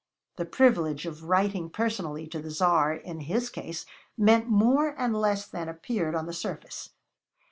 The privilege of writing personally to the Tsar, in his case, meant more and less than appeared on the surface.